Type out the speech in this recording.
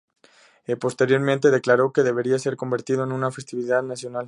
Posteriormente declaró que "debería ser convertido en una festividad nacional".